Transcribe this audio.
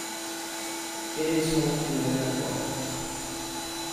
It is home to an airport.